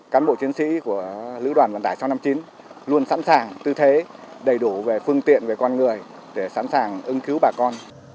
cán bộ chiến sĩ của lữ đoàn vận tải sáu trăm năm mươi chín luôn sẵn sàng tư thế đầy đủ về phương tiện về con người để sẵn sàng ưng cứu bà con